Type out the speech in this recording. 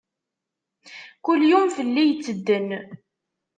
Kul yum fell-i yettedden.